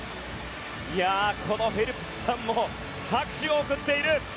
このフェルプスさんも拍手を送っている。